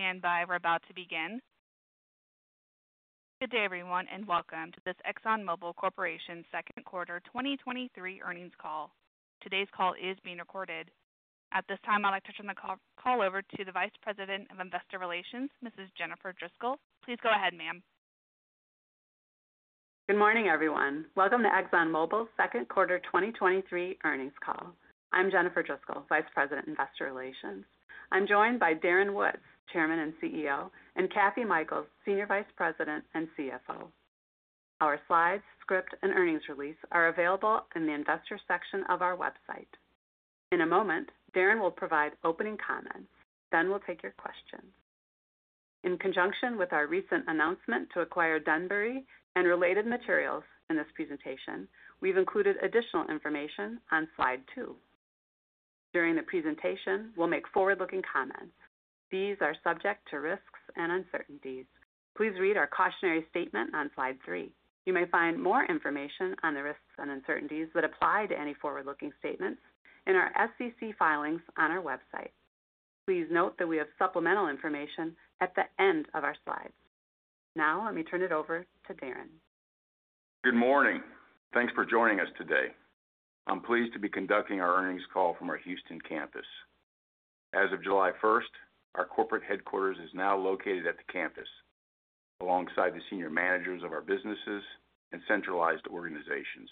Stand by, we're about to begin. Good day, everyone, and welcome to this ExxonMobil Corporation second quarter 2023 earnings call. Today's call is being recorded. At this time, I'd like to turn the call over to the Vice President of Investor Relations, Mrs. Jennifer Driscoll. Please go ahead, ma'am. Good morning, everyone. Welcome to ExxonMobil's second quarter 2023 earnings call. I'm Jennifer Driscoll, Vice President, Investor Relations. I'm joined by Darren Woods, Chairman and CEO, and Kathy Mikells, Senior Vice President and CFO. Our slides, script, and earnings release are available in the investor section of our website. In a moment, Darren will provide opening comments, then we'll take your questions. In conjunction with our recent announcement to acquire Denbury and related materials in this presentation, we've included additional information on Slide 2. During the presentation, we'll make forward-looking comments. These are subject to risks and uncertainties. Please read our cautionary statement on Slide 3. You may find more information on the risks and uncertainties that apply to any forward-looking statements in our SEC filings on our website. Please note that we have supplemental information at the end of our slides. Now, let me turn it over to Darren. Good morning. Thanks for joining us today. I'm pleased to be conducting our earnings call from our Houston campus. As of July first, our corporate headquarters is now located at the campus, alongside the senior managers of our businesses and centralized organizations.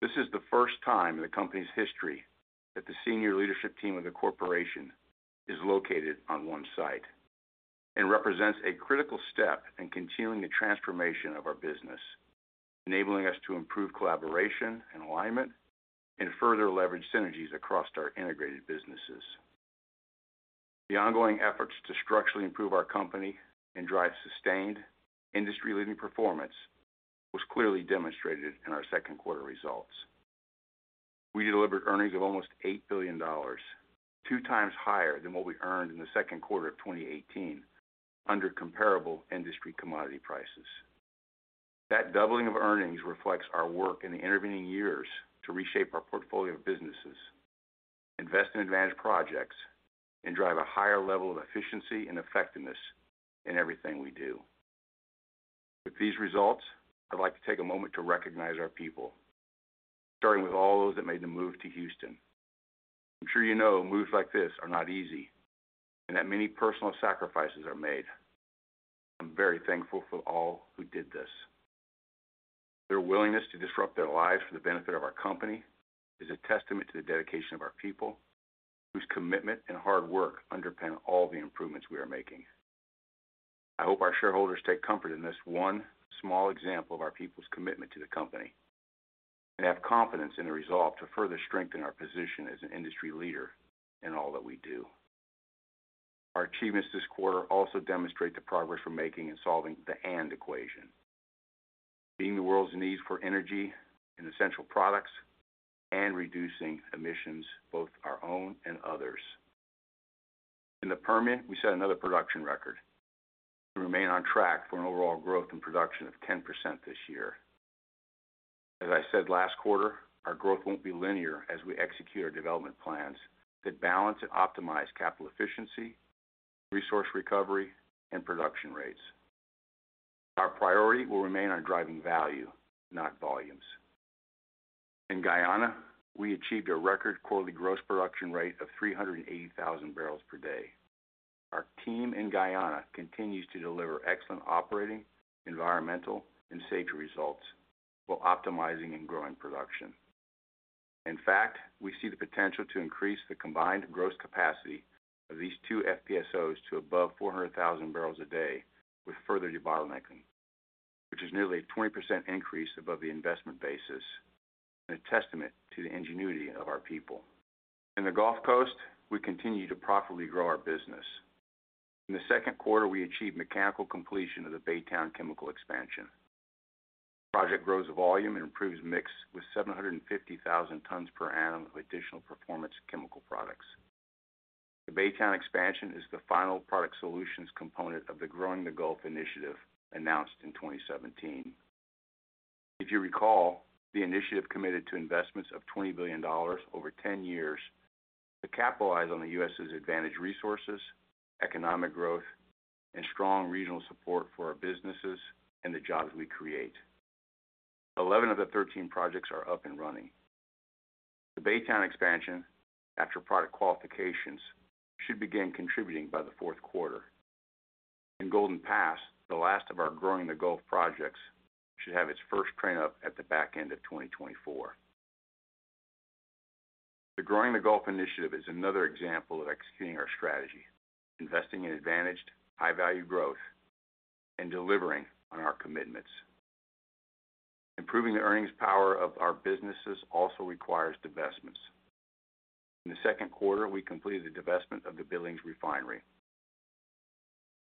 This is the first time in the company's history that the senior leadership team of the corporation is located on one site, and represents a critical step in continuing the transformation of our business, enabling us to improve collaboration and alignment and further leverage synergies across our integrated businesses. The ongoing efforts to structurally improve our company and drive sustained industry-leading performance was clearly demonstrated in our second quarter results. We delivered earnings of almost $8 billion, 2 times higher than what we earned in the second quarter of 2018, under comparable industry commodity prices. That doubling of earnings reflects our work in the intervening years to reshape our portfolio of businesses, invest in advantage projects, and drive a higher level of efficiency and effectiveness in everything we do. With these results, I'd like to take a moment to recognize our people, starting with all those that made the move to Houston. I'm sure you know, moves like this are not easy, and that many personal sacrifices are made. I'm very thankful for all who did this. Their willingness to disrupt their lives for the benefit of our company is a testament to the dedication of our people, whose commitment and hard work underpin all the improvements we are making. I hope our shareholders take comfort in this one small example of our people's commitment to the company, and have confidence in the resolve to further strengthen our position as an industry leader in all that we do. Our achievements this quarter also demonstrate the progress we're making in solving the and equation, meeting the world's needs for energy and essential products, and reducing emissions, both our own and others. In the Permian, we set another production record. We remain on track for an overall growth in production of 10% this year. As I said last quarter, our growth won't be linear as we execute our development plans that balance and optimize capital efficiency, resource recovery, and production rates. Our priority will remain on driving value, not volumes. In Guyana, we achieved a record quarterly gross production rate of 380,000 barrels per day. Our team in Guyana continues to deliver excellent operating, environmental, and safety results while optimizing and growing production. In fact, we see the potential to increase the combined gross capacity of these two FPSOs to above 400,000 barrels a day with further debottlenecking, which is nearly a 20% increase above the investment basis, and a testament to the ingenuity of our people. In the Gulf Coast, we continue to profitably grow our business. In the second quarter, we achieved mechanical completion of the Baytown Chemical Expansion. Project grows volume and improves mix with 750,000 tons per annum of additional performance chemical products. The Baytown expansion is the final product solutions component of the Growing the Gulf initiative announced in 2017. If you recall, the initiative committed to investments of $20 billion over 10 years to capitalize on the U.S.'s advantage resources, economic growth, and strong regional support for our businesses and the jobs we create. 11 of the 13 projects are up and running. The Baytown expansion, after product qualifications, should begin contributing by the fourth quarter. In Golden Pass, the last of our Growing the Gulf projects, should have its first train up at the back end of 2024. The Growing the Gulf initiative is another example of executing our strategy, investing in advantaged, high-value growth and delivering on our commitments. Improving the earnings power of our businesses also requires divestments. In the second quarter, we completed the divestment of the Billings Refinery.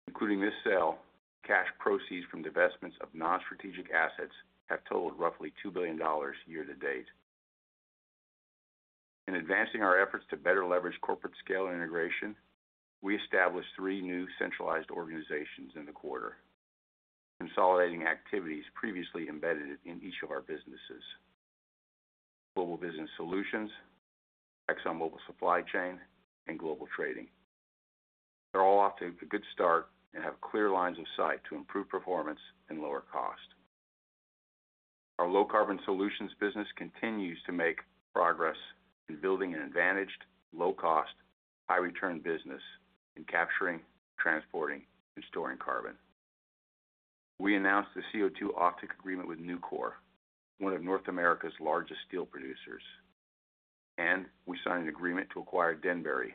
Including this sale, cash proceeds from divestments of non-strategic assets have totaled roughly $2 billion year to date. In advancing our efforts to better leverage corporate scale and integration, we established three new centralized organizations in the quarter, consolidating activities previously embedded in each of our businesses. Global Business Solutions, ExxonMobil Supply Chain, and Global Trading. They're all off to a good start and have clear lines of sight to improve performance and lower cost. Our Low Carbon Solutions business continues to make progress in building an advantaged, low-cost, high-return business in capturing, transporting, and storing carbon. We announced the CO₂ offtake agreement with Nucor, one of North America's largest steel producers, and we signed an agreement to acquire Denbury,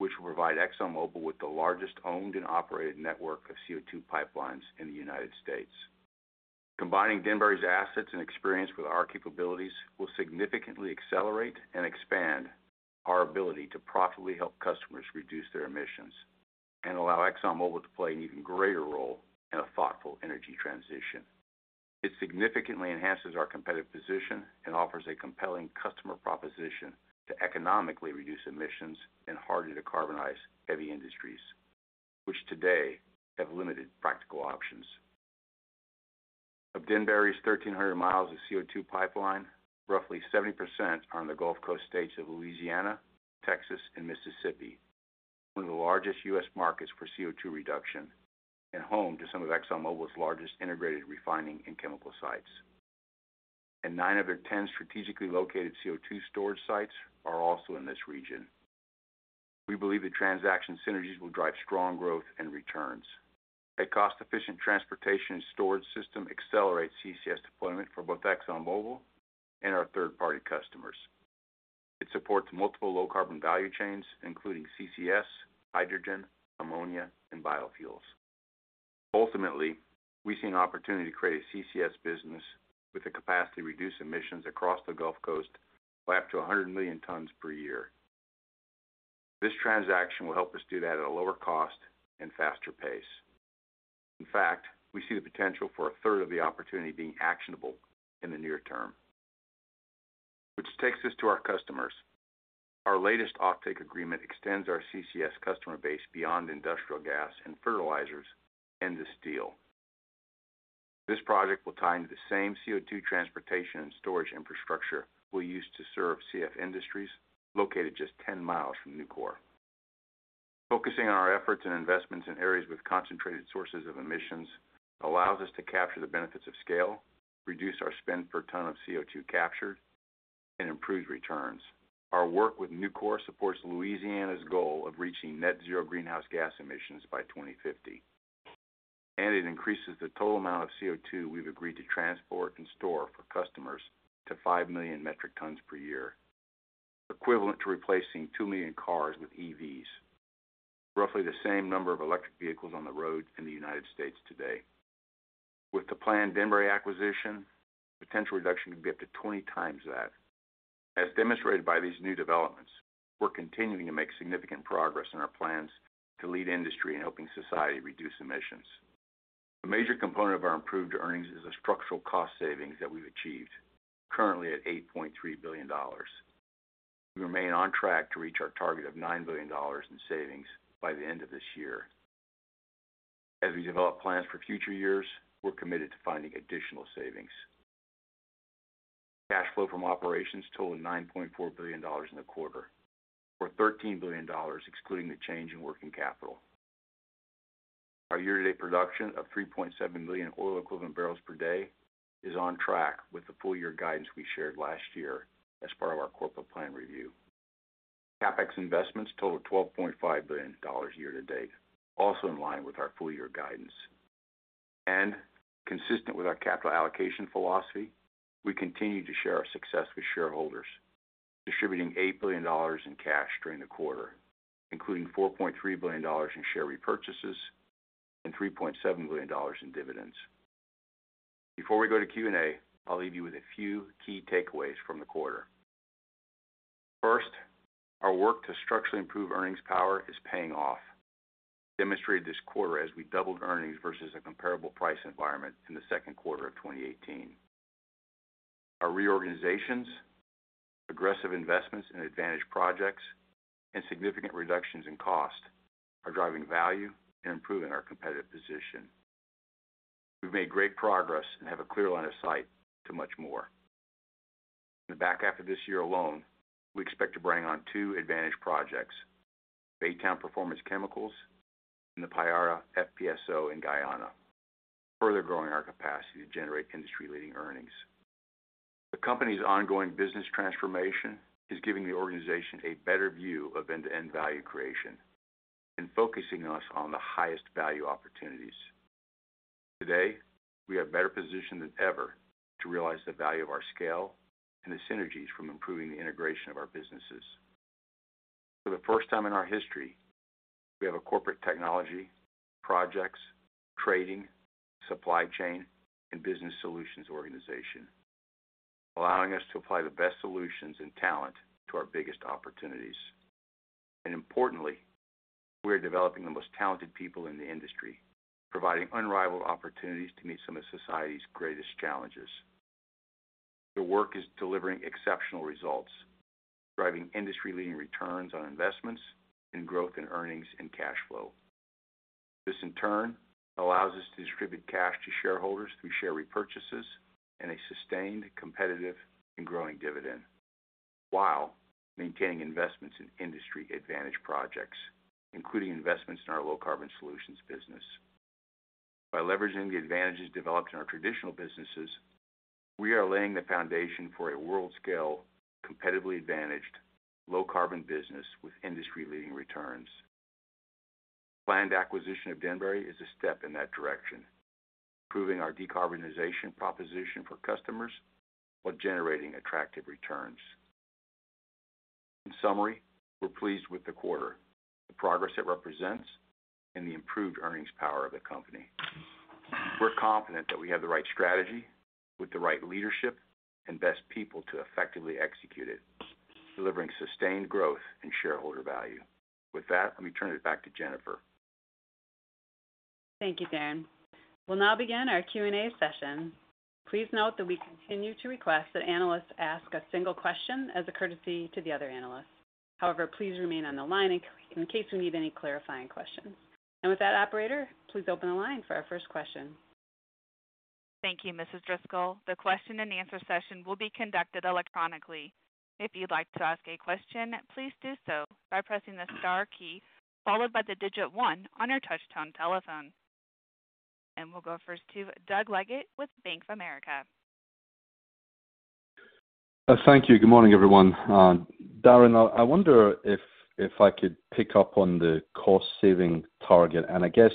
which will provide ExxonMobil with the largest owned and operated network of CO₂ pipelines in the United States. Combining Denbury's assets and experience with our capabilities will significantly accelerate and expand our ability to profitably help customers reduce their emissions and allow ExxonMobil to play an even greater role in a thoughtful energy transition. It significantly enhances our competitive position and offers a compelling customer proposition to economically reduce emissions in hard-to-decarbonize heavy industries, which today have limited practical options. Of Denbury's 1,300 miles of CO₂ pipeline, roughly 70% are in the Gulf Coast states of Louisiana, Texas, and Mississippi, one of the largest US markets for CO₂ reduction and home to some of ExxonMobil's largest integrated refining and chemical sites. 9 out of their 10 strategically located CO₂ storage sites are also in this region. We believe the transaction synergies will drive strong growth and returns. A cost-efficient transportation storage system accelerates CCS deployment for both ExxonMobil and our third-party customers. It supports multiple low-carbon value chains, including CCS, hydrogen, ammonia, and biofuels. Ultimately, we see an opportunity to create a CCS business with the capacity to reduce emissions across the Gulf Coast by up to 100 million tons per year. This transaction will help us do that at a lower cost and faster pace. In fact, we see the potential for a third of the opportunity being actionable in the near term, which takes us to our customers. Our latest offtake agreement extends our CCS customer base beyond industrial gas and fertilizers into steel. This project will tie into the same CO₂ transportation and storage infrastructure we use to serve CF Industries, located just 10 miles from Nucor. Focusing on our efforts and investments in areas with concentrated sources of emissions allows us to capture the benefits of scale, reduce our spend per ton of CO₂ captured, and improve returns. Our work with Nucor supports Louisiana's goal of reaching net-zero greenhouse gas emissions by 2050. It increases the total amount of CO₂ we've agreed to transport and store for customers to 5 million metric tons per year, equivalent to replacing 2 million cars with EVs, roughly the same number of electric vehicles on the road in the United States today. With the planned Denbury acquisition, potential reduction could be up to 20 times that. As demonstrated by these new developments, we're continuing to make significant progress in our plans to lead industry in helping society reduce emissions. A major component of our improved earnings is the structural cost savings that we've achieved, currently at $8.3 billion. We remain on track to reach our target of $9 billion in savings by the end of this year. As we develop plans for future years, we're committed to finding additional savings. Cash flow from operations totaled $9.4 billion in the quarter, or $13 billion, excluding the change in working capital. Our year-to-date production of 3.7 million oil equivalent barrels per day is on track with the full year guidance we shared last year as part of our corporate plan review. CapEx investments totaled $12.5 billion year to date, also in line with our full-year guidance. Consistent with our capital allocation philosophy, we continue to share our success with shareholders, distributing $8 billion in cash during the quarter, including $4.3 billion in share repurchases and $3.7 billion in dividends. Before we go to Q&A, I'll leave you with a few key takeaways from the quarter. First, our work to structurally improve earnings power is paying off. Demonstrated this quarter as we doubled earnings versus a comparable price environment in the second quarter of 2018. Our reorganizations, aggressive investments in advantage projects, and significant reductions in cost are driving value and improving our competitive position. We've made great progress and have a clear line of sight to much more. In the back half of this year alone, we expect to bring on two advantage projects, Baytown Performance Chemicals and the Payara FPSO in Guyana, further growing our capacity to generate industry-leading earnings. The company's ongoing business transformation is giving the organization a better view of end-to-end value creation and focusing us on the highest value opportunities. Today, we are better positioned than ever to realize the value of our scale and the synergies from improving the integration of our businesses. For the first time in our history, we have a corporate technology, projects, trading, supply chain, and business solutions organization, allowing us to apply the best solutions and talent to our biggest opportunities. Importantly, we are developing the most talented people in the industry, providing unrivaled opportunities to meet some of society's greatest challenges. The work is delivering exceptional results, driving industry-leading returns on investments and growth in earnings and cash flow. This in turn allows us to distribute cash to shareholders through share repurchases and a sustained, competitive and growing dividend, while maintaining investments in industry advantage projects, including investments in our Low Carbon Solutions business. By leveraging the advantages developed in our traditional businesses, we are laying the foundation for a world-scale, competitively advantaged, low carbon business with industry-leading returns. Planned acquisition of Denbury is a step in that direction, improving our decarbonization proposition for customers while generating attractive returns. In summary, we're pleased with the quarter, the progress it represents, and the improved earnings power of the company. We're confident that we have the right strategy with the right leadership and best people to effectively execute it, delivering sustained growth and shareholder value. With that, let me turn it back to Jennifer. Thank you, Darren. We'll now begin our Q&A session. Please note that we continue to request that analysts ask a single question as a courtesy to the other analysts. However, please remain on the line in case we need any clarifying questions. With that, Operator, please open the line for our first question. Thank you, Mrs. Driscoll. The question-and-answer session will be conducted electronically. If you'd like to ask a question, please do so by pressing the star key followed by the digit 1 on your touchtone telephone. We'll go first to Doug Leggate with Bank of America. Thank you. Good morning, everyone. Darren, I, I wonder if, if I could pick up on the cost-saving target. I guess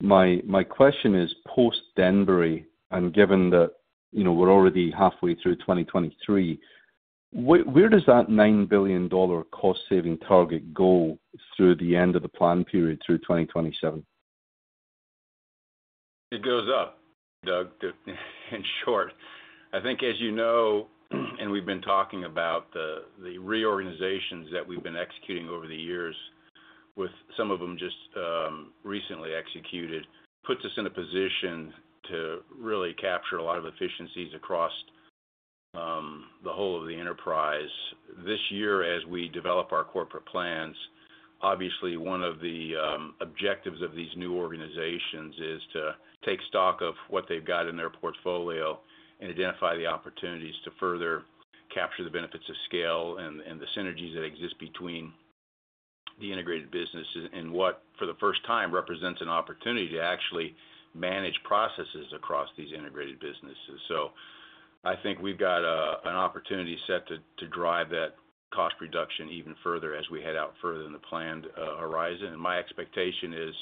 my, my question is post Denbury, and given that, you know, we're already halfway through 2023, where does that $9 billion cost-saving target go through the end of the plan period through 2027? It goes up, Doug, in short. I think, as you know, and we've been talking about the, the reorganizations that we've been executing over the years, with some of them just recently executed, puts us in a position to really capture a lot of efficiencies across the whole of the enterprise. This year, as we develop our corporate plans, obviously, one of the objectives of these new organizations is to take stock of what they've got in their portfolio and identify the opportunities to further capture the benefits of scale and, and the synergies that exist between the integrated businesses and what, for the first time, represents an opportunity to actually manage processes across these integrated businesses. I think we've got a, an opportunity set to, to drive that cost reduction even further as we head out further in the planned horizon. My expectation is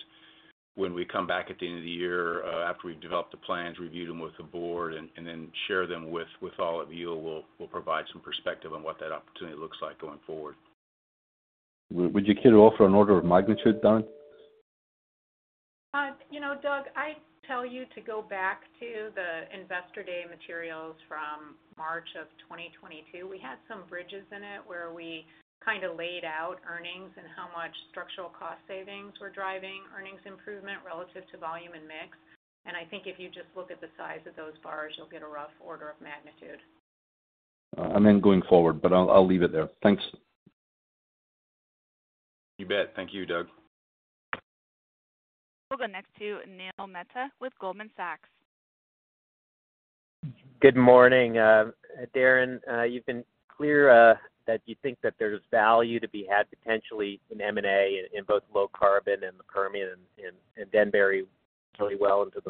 when we come back at the end of the year, after we've developed the plans, reviewed them with the board, and then share them with all of you, we'll provide some perspective on what that opportunity looks like going forward. Would, would you care to offer an order of magnitude, Darren? you know, Doug, I'd tell you to go back to the Investor Day materials from March of 2022. We had some bridges in it where we kinda laid out earnings and how much structural cost savings were driving earnings improvement relative to volume and mix. I think if you just look at the size of those bars, you'll get a rough order of magnitude. I meant going forward, but I'll, I'll leave it there. Thanks. You bet. Thank you, Doug. We'll go next to Neil Mehta with Goldman Sachs. Good morning. Darren, you've been clear that you think that there's value to be had potentially in M&A in both low carbon and the Permian and Denbury really well into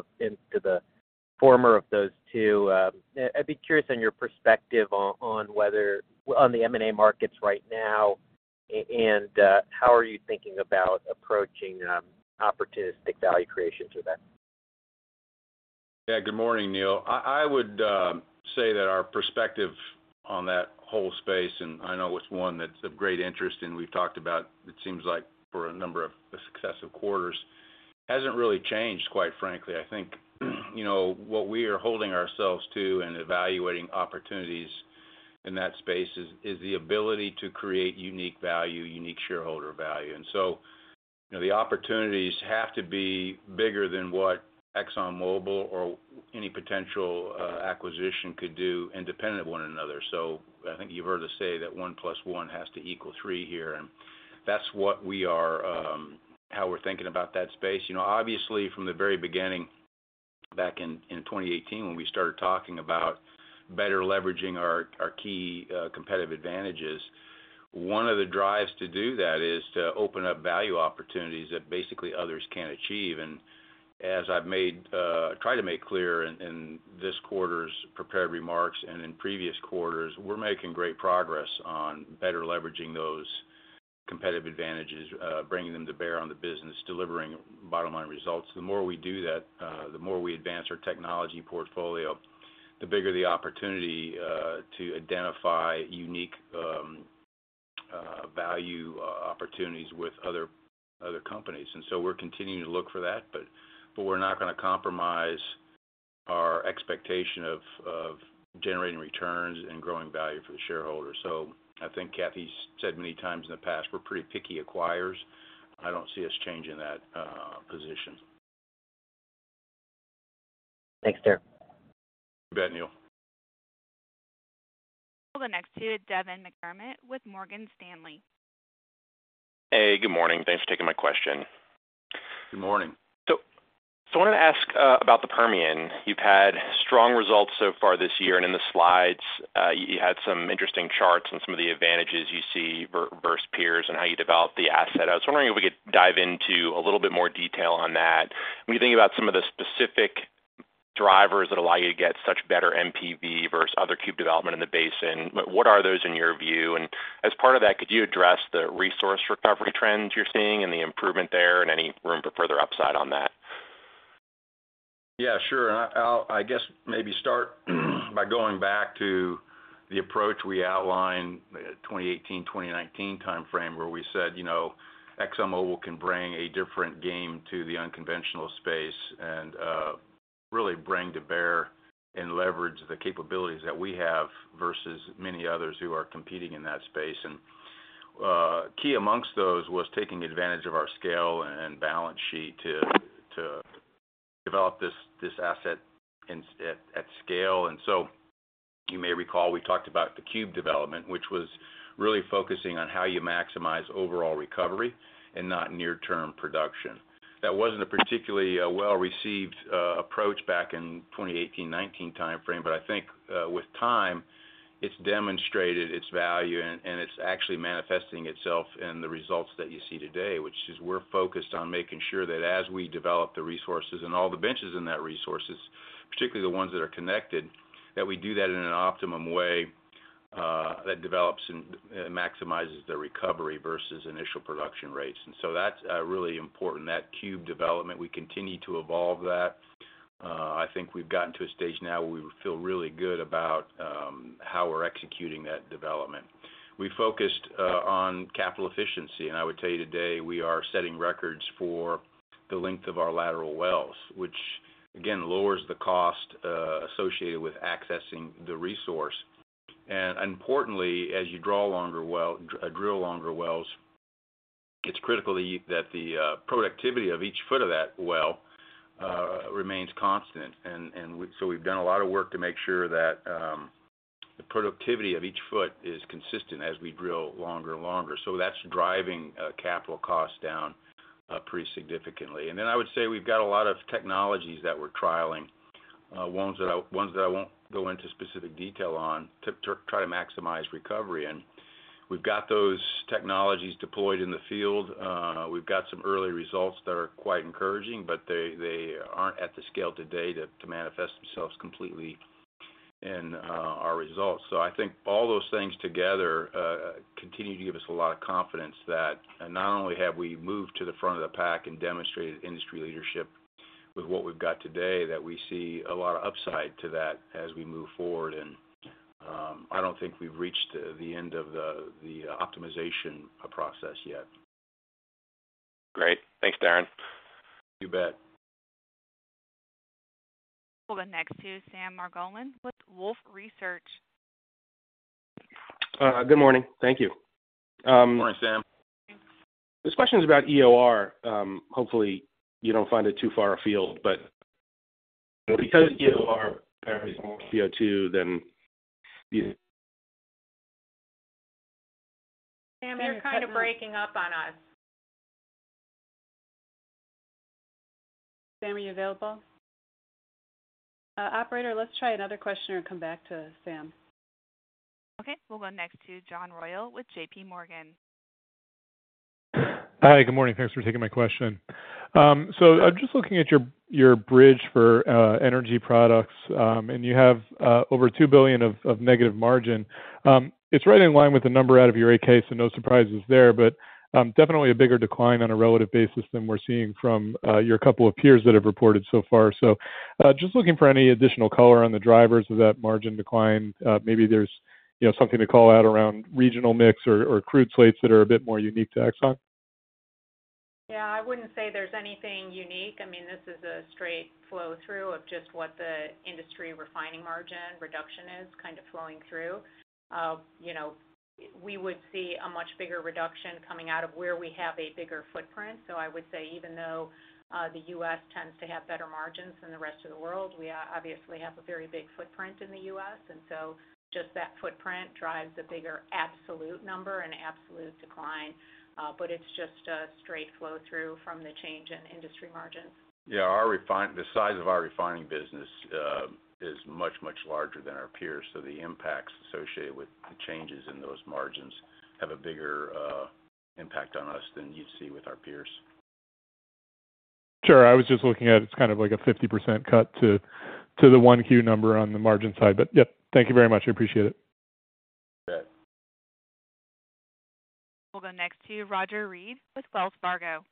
the former of those two. I'd be curious on your perspective on the M&A markets right now, and how are you thinking about approaching opportunistic value creation through that? Yeah. Good morning, Neil. I, I would say that our perspective on that whole space, and I know it's one that's of great interest, and we've talked about, it seems like for a number of successive quarters, hasn't really changed, quite frankly. I think, you know, what we are holding ourselves to in evaluating opportunities in that space is, is the ability to create unique value, unique shareholder value. You know, the opportunities have to be bigger than what ExxonMobil or any potential acquisition could do independent of one another. I think you've heard us say that one plus one has to equal three here, and that's what we are, how we're thinking about that space. You know, obviously, from the very beginning, back in 2018, when we started talking about better leveraging our key competitive advantages, one of the drives to do that is to open up value opportunities that basically others can't achieve. As I've made, tried to make clear in this quarter's prepared remarks and in previous quarters, we're making great progress on better leveraging those competitive advantages, bringing them to bear on the business, delivering bottom-line results. The more we do that, the more we advance our technology portfolio, the bigger the opportunity to identify unique value opportunities with other companies. So we're continuing to look for that, but we're not gonna compromise our expectation of generating returns and growing value for the shareholders. I think Kathy's said many times in the past, we're pretty picky acquirers. I don't see us changing that position. Thanks, Darren. You bet, Neil. We'll go next to Devin McDermott with Morgan Stanley. Hey, good morning. Thanks for taking my question. Good morning. So I wanted to ask about the Permian. You've had strong results so far this year, in the slides, you had some interesting charts on some of the advantages you see versus peers and how you developed the asset. I was wondering if we could dive into a little bit more detail on that. When you think about some of the specific drivers that allow you to get such better MPV versus other cube development in the basin, what are those in your view? As part of that, could you address the resource recovery trends you're seeing and the improvement there and any room for further upside on that? Yeah, sure. I, I'll, I guess maybe start by going back to the approach we outlined, 2018, 2019 timeframe, where we said, you know, ExxonMobil can bring a different game to the unconventional space and, really bring to bear and leverage the capabilities that we have versus many others who are competing in that space. Key amongst those was taking advantage of our scale and balance sheet to, to develop this, this asset at, at scale. So you may recall, we talked about the cube development, which was really focusing on how you maximize overall recovery and not near-term production. That wasn't a particularly, well-received, approach back in 2018, 2019 timeframe, but I think, with time, it's demonstrated its value and, and it's actually manifesting itself in the results that you see today, which is we're focused on making sure that as we develop the resources and all the benches in that resources, particularly the ones that are connected, that we do that in an optimum way, that develops and, maximizes the recovery versus initial production rates. So that's, really important, that cube development. We continue to evolve that. I think we've gotten to a stage now where we feel really good about, how we're executing that development. We focused on capital efficiency, and I would tell you today, we are setting records for the length of our lateral wells, which, again, lowers the cost associated with accessing the resource. Importantly, as you draw longer well-- drill longer wells, it's critical that you-- that the productivity of each foot of that well remains constant. We've done a lot of work to make sure that the productivity of each foot is consistent as we drill longer and longer. That's driving capital costs down pretty significantly. I would say we've got a lot of technologies that we're trialing, ones that I, ones that I won't go into specific detail on, to, to try to maximize recovery. We've got those technologies deployed in the field. We've got some early results that are quite encouraging, but they, they aren't at the scale today to, to manifest themselves completely in our results. I think all those things together continue to give us a lot of confidence that not only have we moved to the front of the pack and demonstrated industry leadership with what we've got today, that we see a lot of upside to that as we move forward. I don't think we've reached the end of the, the optimization process yet. Great. Thanks, Darren. You bet. We'll go next to Sam Margolin with Wolfe Research. Good morning. Thank you. Good morning, Sam. This question is about EOR. Hopefully, you don't find it too far afield, but because EOR is more CO₂ than you. Sam, you're kind of breaking up on us. Sam, are you available? Operator, let's try another questioner and come back to Sam. Okay. We'll go next to John Royall with J.P. Morgan. Hi, good morning. Thanks for taking my question. I'm just looking at your, your bridge for energy products, and you have over $2 billion of negative margin. It's right in line with the number out of your 8-K, so no surprises there, but definitely a bigger decline on a relative basis than we're seeing from your couple of peers that have reported so far. Just looking for any additional color on the drivers of that margin decline, maybe there's, you know, something to call out around regional mix or, or crude slates that are a bit more unique to Exxon? Yeah, I wouldn't say there's anything unique. I mean, this is a straight flow-through of just what the industry refining margin reduction is kind of flowing through. You know, we would see a much bigger reduction coming out of where we have a bigger footprint. I would say, even though, the U.S. tends to have better margins than the rest of the world, we obviously have a very big footprint in the U.S. and so just that footprint drives a bigger absolute number and absolute decline. It's just a straight flow-through from the change in industry margins. Yeah, the size of our refining business is much, much larger than our peers, so the impacts associated with the changes in those margins have a bigger impact on us than you'd see with our peers. Sure. I was just looking at, it's kind of like a 50% cut to, to the 1Q number on the margin side. Yep, thank you very much. I appreciate it. You bet. We'll go next to Roger Read with Wells Fargo.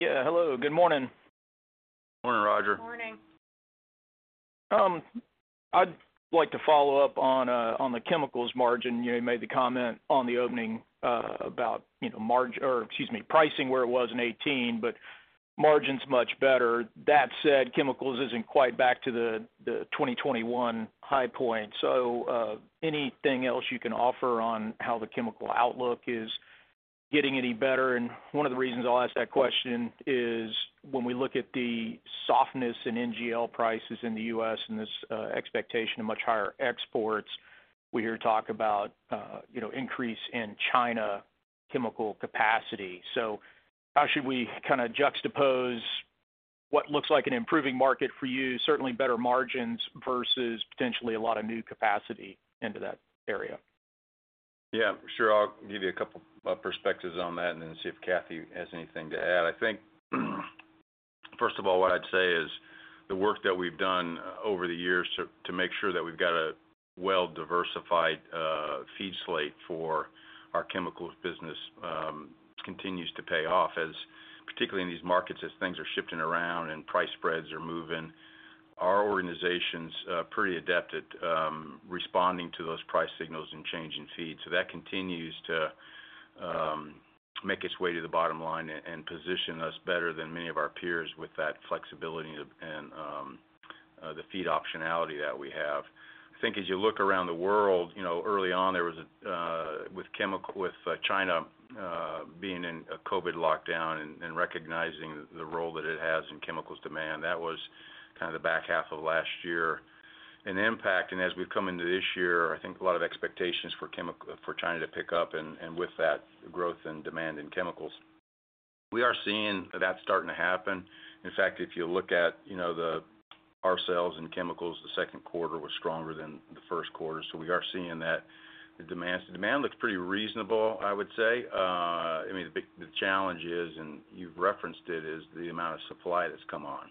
Yeah, hello, good morning. Morning, Roger. Morning. I'd like to follow up on the chemicals margin. You made the comment on the opening about, you know, margin, or excuse me, pricing, where it was in 18, but margin's much better. That said, chemicals isn't quite back to the 2021 high point. Anything else you can offer on how the chemical outlook is? Getting any better? One of the reasons I'll ask that question is when we look at the softness in NGL prices in the U.S. and this expectation of much higher exports, we hear talk about, you know, increase in China chemical capacity. How should we kinda juxtapose what looks like an improving market for you, certainly better margins, versus potentially a lot of new capacity into that area? Yeah, sure. I'll give you a couple of perspectives on that and then see if Kathy has anything to add. I think, first of all, what I'd say is the work that we've done over the years to, to make sure that we've got a well-diversified feed slate for our chemicals business continues to pay off, as particularly in these markets, as things are shifting around and price spreads are moving, our organization's pretty adept at responding to those price signals and changing feeds. That continues to make its way to the bottom line and, and position us better than many of our peers with that flexibility and the feed optionality that we have. I think as you look around the world, you know, early on, there was a with China being in a COVID lockdown and recognizing the role that it has in chemicals demand, that was kind of the back half of last year. The impact, as we've come into this year, I think a lot of expectations for China to pick up, and with that, growth and demand in chemicals. We are seeing that starting to happen. In fact, if you look at, you know, our sales in chemicals, the second quarter was stronger than the first quarter, so we are seeing that the demand... Demand looks pretty reasonable, I would say. I mean, the challenge is, and you've referenced it, is the amount of supply that's come on.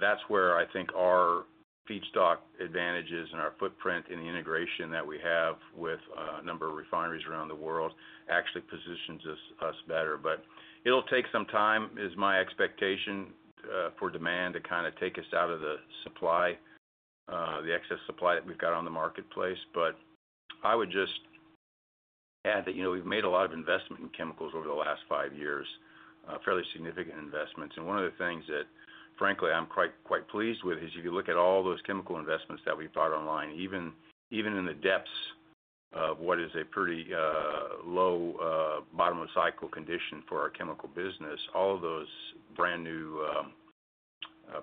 That's where I think our feedstock advantages and our footprint and the integration that we have with a number of refineries around the world actually positions us, us better. It'll take some time, is my expectation, for demand to kinda take us out of the supply, the excess supply that we've got on the marketplace. I would just add that, you know, we've made a lot of investment in chemicals over the last five years, fairly significant investments. One of the things that, frankly, I'm quite, quite pleased with is, if you look at all those chemical investments that we've brought online, even, even in the depths of what is a pretty, low, bottom-of-cycle condition for our chemical business, all of those brand-new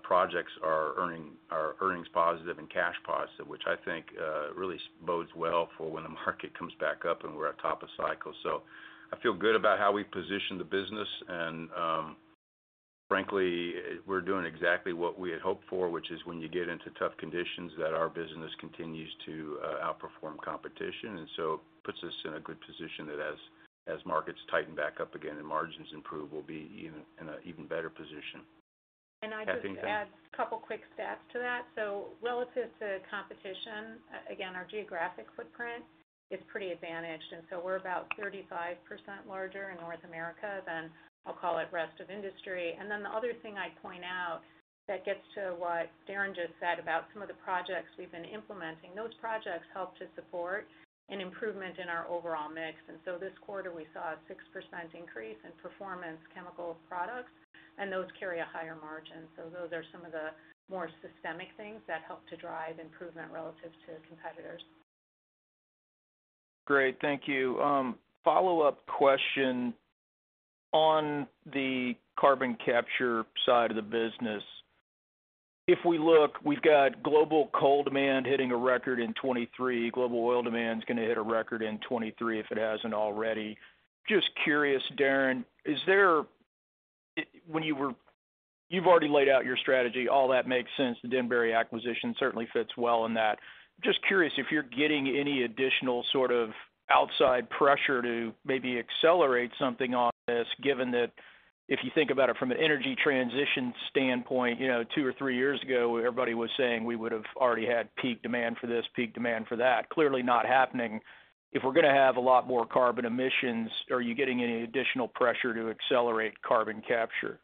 projects are earnings positive and cash positive, which I think really bodes well for when the market comes back up and we're at top of cycle. I feel good about how we've positioned the business, and frankly, we're doing exactly what we had hoped for, which is when you get into tough conditions, that our business continues to outperform competition. Puts us in a good position that as, as markets tighten back up again and margins improve, we'll be in an even better position. Kathy? I'd just add a couple of quick stats to that. Relative to competition, again, our geographic footprint is pretty advantaged, and we're about 35% larger in North America than, I'll call it, rest of industry. The other thing I'd point out that gets to what Darren just said about some of the projects we've been implementing, those projects help to support an improvement in our overall mix. This quarter, we saw a 6% increase in performance chemical products, and those carry a higher margin. Those are some of the more systemic things that help to drive improvement relative to competitors. Great. Thank you. Follow-up question on the carbon capture side of the business. If we look, we've got global coal demand hitting a record in 2023. Global oil demand is gonna hit a record in 2023 if it hasn't already. Just curious, Darren, is there when you were you've already laid out your strategy. All that makes sense. The Denbury Inc. certainly fits well in that. Just curious if you're getting any additional sort of outside pressure to maybe accelerate something on this, given that if you think about it from an energy transition standpoint, you know, two or three years ago, everybody was saying we would have already had peak demand for this, peak demand for that. Clearly not happening. If we're gonna have a lot more carbon emissions, are you getting any additional pressure to accelerate carbon capture?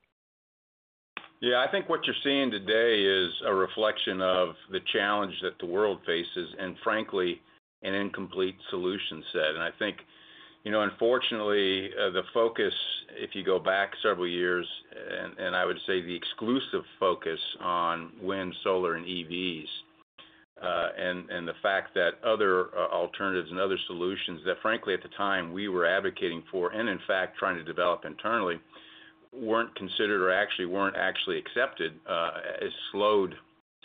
Yeah, I think what you're seeing today is a reflection of the challenge that the world faces and frankly, an incomplete solution set. I think, you know, unfortunately, the focus, if you go back several years, and, and I would say the exclusive focus on wind, solar, and EVs, and, and the fact that other, alternatives and other solutions that frankly, at the time, we were advocating for, and in fact, trying to develop internally, weren't considered or actually weren't actually accepted, has slowed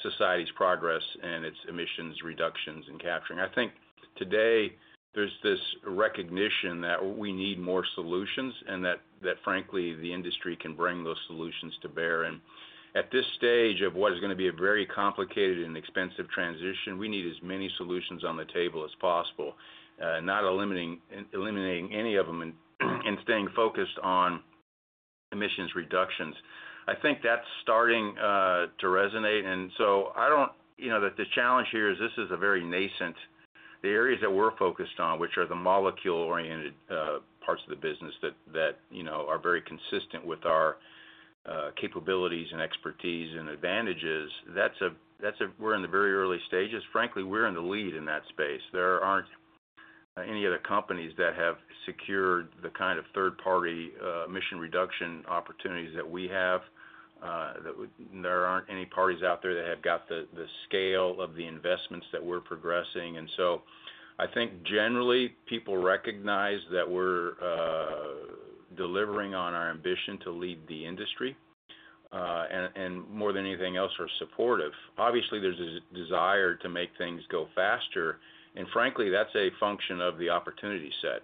society's progress and its emissions reductions and capturing. I think today there's this recognition that we need more solutions and that, that frankly, the industry can bring those solutions to bear. At this stage of what is gonna be a very complicated and expensive transition, we need as many solutions on the table as possible, not eliminating, eliminating any of them and, and staying focused on emissions reductions. I think that's starting to resonate, and so I don't- You know, the, the challenge here is this is a very nascent... The areas that we're focused on, which are the molecule-oriented parts of the business that, that, you know, are very consistent with our capabilities and expertise and advantages, that's a, that's a- we're in the very early stages. Frankly, we're in the lead in that space. There aren't any other companies that have secured the kind of third-party emission reduction opportunities that we have. That would there aren't any parties out there that have got the, the scale of the investments that we're progressing. I think generally, people recognize that we're delivering on our ambition to lead the industry. More than anything else are supportive. Obviously, there's a desire to make things go faster, and frankly, that's a function of the opportunity set.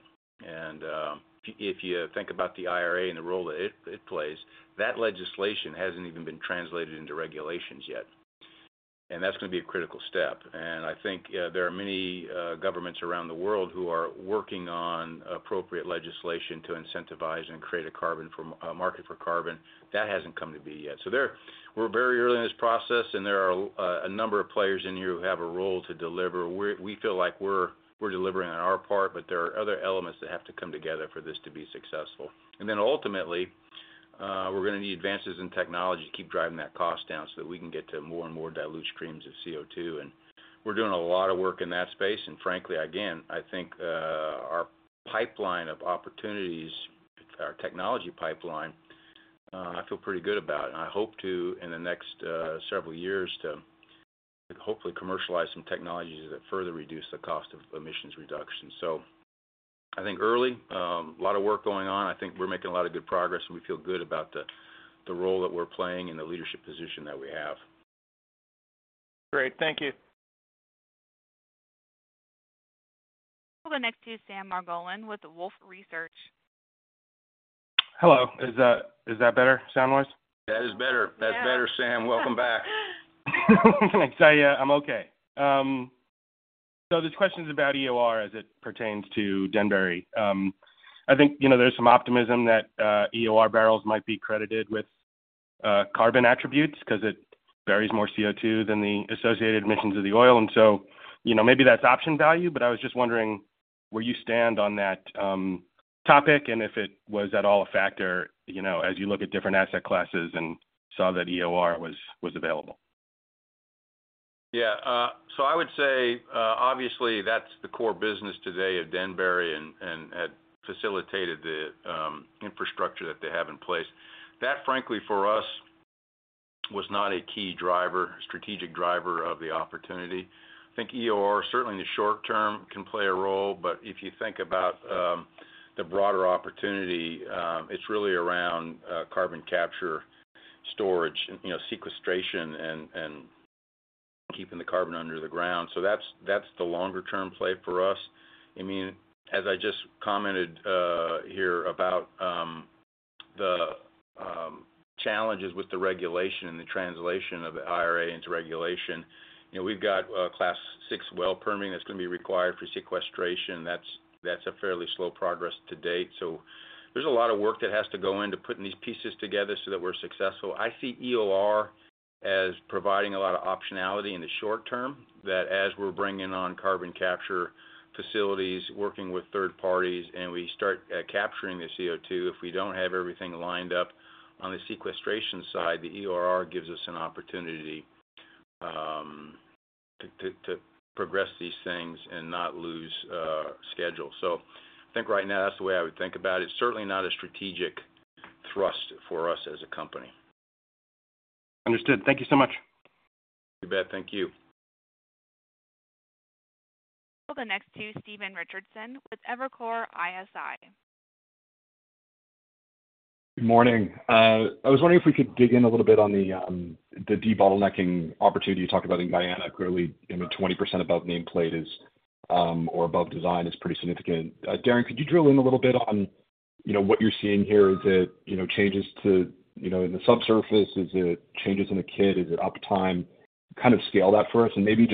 If you think about the IRA and the role that it, it plays, that legislation hasn't even been translated into regulations yet, and that's going to be a critical step. I think there are many governments around the world who are working on appropriate legislation to incentivize and create a carbon for a market for carbon. That hasn't come to be yet. There, we're very early in this process, and there are a, a number of players in here who have a role to deliver. We, we feel like we're, we're delivering on our part, but there are other elements that have to come together for this to be successful. Then ultimately, we're going to need advances in technology to keep driving that cost down so that we can get to more and more dilute streams of CO₂. We're doing a lot of work in that space. Frankly, again, I think, our pipeline of opportunities, our technology pipeline, I feel pretty good about. I hope to, in the next, several years, to hopefully commercialize some technologies that further reduce the cost of emissions reduction. I think early, a lot of work going on. I think we're making a lot of good progress, and we feel good about the, the role that we're playing and the leadership position that we have. Great. Thank you. The next to you, Sam Margolin with Wolfe Research. Hello. Is that, is that better, sound-wise? That is better. Yes. That's better, Sam. Welcome back. Thanks. I'm okay. So this question is about EOR as it pertains to Denbury. I think, you know, there's some optimism that EOR barrels might be credited with carbon attributes 'cause it buries more CO₂ than the associated emissions of the oil. So, you know, maybe that's option value, but I was just wondering where you stand on that topic, and if it was at all a factor, you know, as you look at different asset classes and saw that EOR was, was available. Yeah, I would say, obviously, that's the core business today of Denbury and had facilitated the infrastructure that they have in place. That, frankly, for us, was not a key driver, strategic driver of the opportunity. I think EOR, certainly in the short term, can play a role, but if you think about the broader opportunity, it's really around carbon capture, storage, you know, sequestration and keeping the carbon under the ground. That's, that's the longer-term play for us. I mean, as I just commented here about the challenges with the regulation and the translation of the IRA into regulation, you know, we've got a Class six well permitting that's going to be required for sequestration. That's, that's a fairly slow progress to date. There's a lot of work that has to go in to putting these pieces together so that we're successful. I see EOR as providing a lot of optionality in the short term, that as we're bringing on carbon capture facilities, working with third parties, and we start capturing the CO₂, if we don't have everything lined up on the sequestration side, the EOR gives us an opportunity to progress these things and not lose schedule. I think right now, that's the way I would think about it. Certainly not a strategic thrust for us as a company. Understood. Thank you so much. You bet. Thank you. The next to Stephen Richardson with Evercore ISI. Good morning. I was wondering if we could dig in a little bit on the debottlenecking opportunity you talked about in Guyana. Clearly, you know, 20% above nameplate is, or above design, is pretty significant. Darren, could you drill in a little bit on, you know, what you're seeing here? Is it, you know, changes to in the subsurface? Is it changes in the kid? Is it uptime? Kind of scale that for us and maybe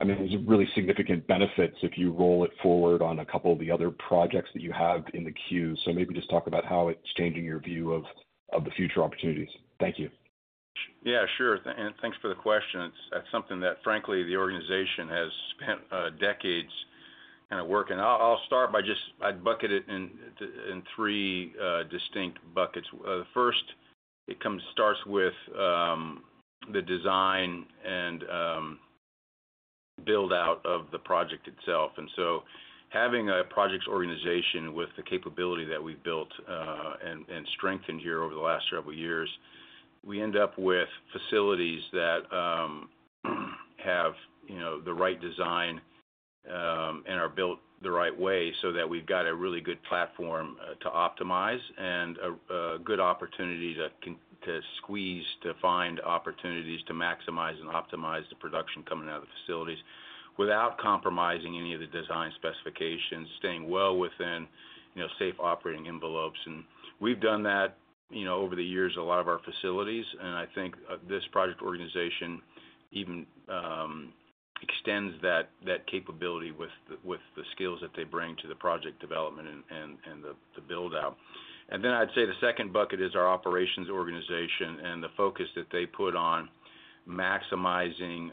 I mean, there's really significant benefits if you roll it forward on a couple of the other projects that you have in the queue. Maybe just talk about how it's changing your view of, of the future opportunities. Thank you. Yeah, sure. Thanks for the question. It's, that's something that, frankly, the organization has spent decades kind of working. I'll, I'll start by just... I'd bucket it in, in three distinct buckets. The first, it comes, starts with the design and build-out of the project itself. Having a projects organization with the capability that we've built and strengthened here over the last several years, we end up with facilities that have, you know, the right design and are built the right way so that we've got a really good platform to optimize and a good opportunity to squeeze, to find opportunities to maximize and optimize the production coming out of the facilities without compromising any of the design specifications, staying well within, you know, safe operating envelopes. We've done that, you know, over the years, a lot of our facilities, I think, this project organization even, extends that, that capability with the, with the skills that they bring to the project development and, and, and the, the build-out. Then I'd say the second bucket is our operations organization and the focus that they put on maximizing,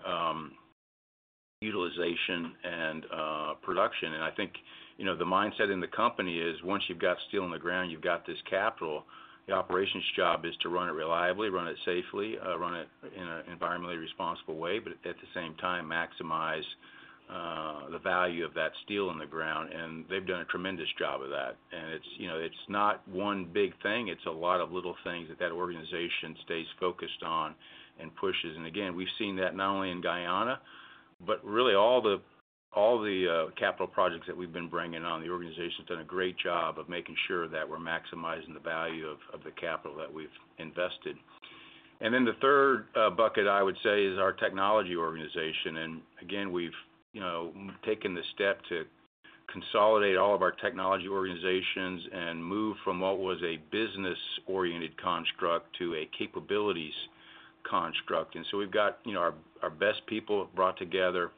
utilization and, production. I think, you know, the mindset in the company is, once you've got steel in the ground, you've got this capital, the operations job is to run it reliably, run it safely, run it in an environmentally responsible way, but at the same time, maximize, the value of that steel in the ground. They've done a tremendous job of that. It's, you know, it's not one big thing, it's a lot of little things that that organization stays focused on and pushes. Again, we've seen that not only in Guyana, but really all the, all the capital projects that we've been bringing on. The organization's done a great job of making sure that we're maximizing the value of, of the capital that we've invested. Then the third bucket, I would say, is our technology organization. Again, we've, you know, taken the step to consolidate all of our technology organizations and move from what was a business-oriented construct to a capabilities construct. So we've got, you know, our, our best people brought together,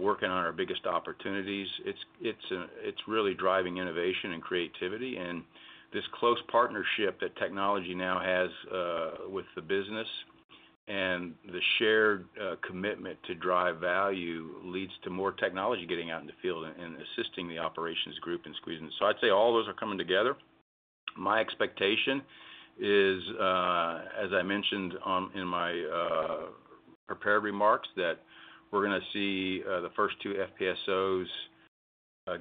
working on our biggest opportunities. It's, it's really driving innovation and creativity. This close partnership that technology now has, with the business and the shared commitment to drive value leads to more technology getting out in the field and, and assisting the operations group in squeezing. So I'd say all those are coming together. My expectation is, as I mentioned, in my prepared remarks, that we're going to see the first 2 FPSOs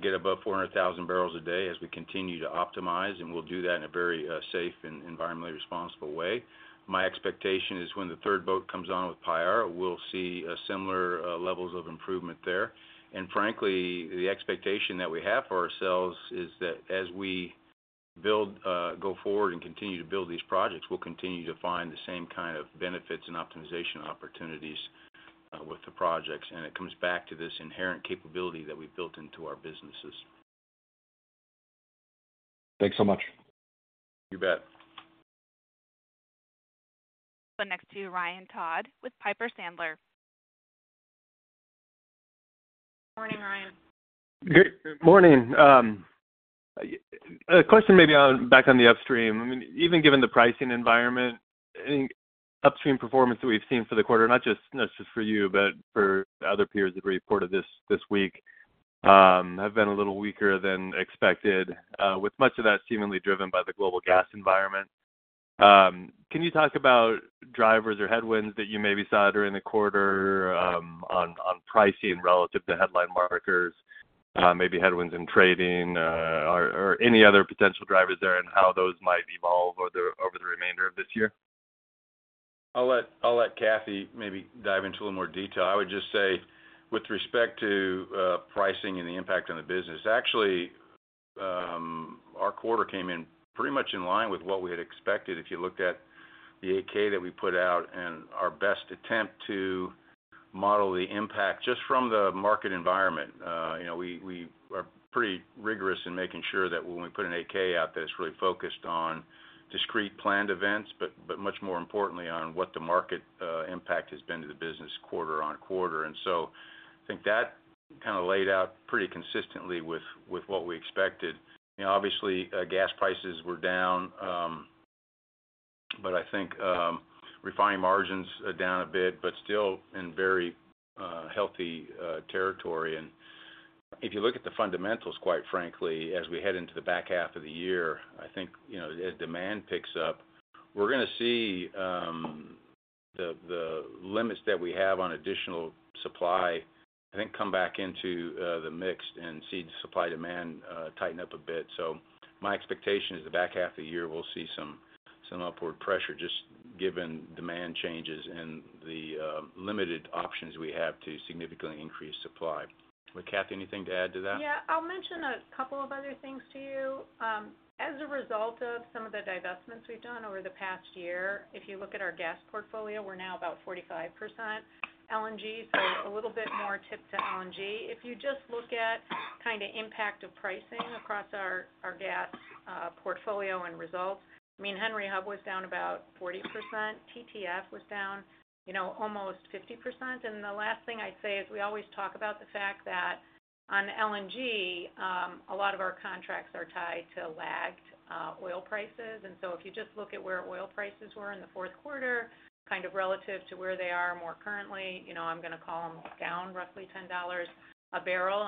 get above 400,000 barrels a day as we continue to optimize, and we'll do that in a very safe and environmentally responsible way. My expectation is when the third boat comes on with Payara, we'll see similar levels of improvement there. Frankly, the expectation that we have for ourselves is that as we build, go forward and continue to build these projects, we'll continue to find the same kind of benefits and optimization opportunities with the projects. It comes back to this inherent capability that we've built into our businesses. Thanks so much. You bet. We'll go next to Ryan Todd with Piper Sandler. Good morning, Ryan. Good morning. A question maybe back on the upstream. I mean, even given the pricing environment, any upstream performance that we've seen for the quarter, not just, not just for you, but for other peers that reported this, this week, have been a little weaker than expected, with much of that seemingly driven by the global gas environment. Can you talk about drivers or headwinds that you maybe saw during the quarter, on, on pricing relative to headline markers, maybe headwinds in trading, or, or any other potential drivers there, and how those might evolve over the, over the remainder of this year? I'll let, I'll let Kathy maybe dive into a little more detail. I would just say, with respect to pricing and the impact on the business, actually, our quarter came in pretty much in line with what we had expected. If you looked at the 8-K that we put out and our best attempt to model the impact just from the market environment, you know, we, we are pretty rigorous in making sure that when we put an 68-K out there, it's really focused on discrete planned events, but, but much more importantly on what the market impact has been to the business quarter-on-quarter. I think that kind of laid out pretty consistently with, with what we expected. You know, obviously, gas prices were down, but I think refining margins are down a bit, but still in very healthy territory. If you look at the fundamentals, quite frankly, as we head into the back half of the year, I think, you know, as demand picks up, we're going to see the, the limits that we have on additional supply, I think, come back into the mix and see the supply-demand tighten up a bit. My expectation is the back half of the year, we'll see some, some upward pressure, just given demand changes and the limited options we have to significantly increase supply. Kathy, anything to add to that? Yeah. I'll mention a couple of other things to you. As a result of some of the divestments we've done over the past year, if you look at our gas portfolio, we're now about 45% LNG, so a little bit more tip to LNG. If you just look at kind of impact of pricing across our, our gas portfolio and results, I mean, Henry Hub was down about 40%. TTF was down, you know, almost 50%. The last thing I'd say is we always talk about the fact that on LNG, a lot of our contracts are tied to lagged oil prices. So if you just look at where oil prices were in the fourth quarter, kind of relative to where they are more currently, you know, I'm going to call them down roughly $10 a barrel.